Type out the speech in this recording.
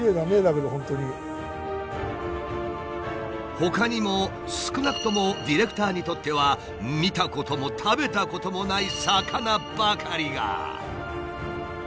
ほかにも少なくともディレクターにとっては見たことも食べたこともない魚ばかりが。